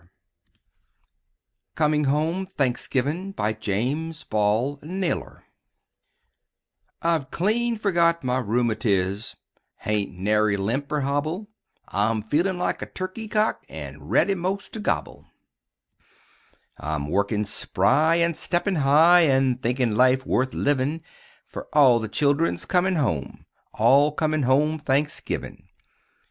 _'" COMIN' HOME THANKSGIVIN' BY JAMES BALL NAYLOR I've clean fergot my rheumatiz Hain't nary limp n'r hobble; I'm feelin' like a turkey cock An' ready 'most to gobble; I'm workin' spry, an' steppin' high An' thinkin' life worth livin'. Fer all the children's comin' home All comin' home Thanksgivin'.